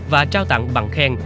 và trao tặng bằng khen